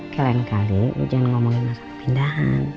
kayak lain kali lu jangan ngomongin masalah pindahan